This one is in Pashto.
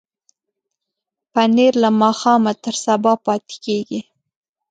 پنېر له ماښامه تر سبا پاتې کېږي.